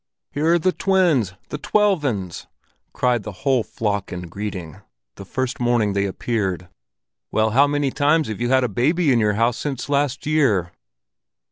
"Here are the twins, the twelvins!" cried the whole flock in greeting, the first morning they appeared. "Well, how many times have you had a baby in your house since last year?"